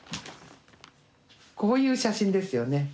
こういう写真ですよね。